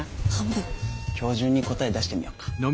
今日中に答え出してみよっか。